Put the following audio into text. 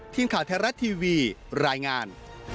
ทีมข่าวไทยรัฐทีวีรายงาน